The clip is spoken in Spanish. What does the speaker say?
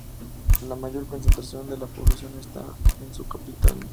La mayor concentración de la población está en su capital.